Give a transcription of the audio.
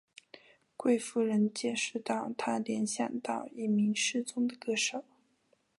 贵夫人解释道她联想到一名失踪的歌手。